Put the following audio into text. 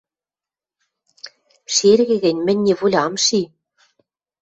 — Шергӹ гӹнь, мӹнь неволя ам ши.